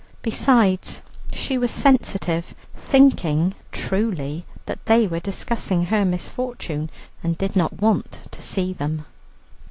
Besides, she was sensitive, thinking, truly, that they were discussing her misfortune, and did not want to see them.